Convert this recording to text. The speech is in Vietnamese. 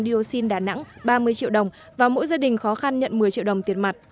dioxin đà nẵng ba mươi triệu đồng và mỗi gia đình khó khăn nhận một mươi triệu đồng tiền mặt